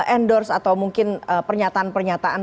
endorse atau mungkin pernyataan pernyataan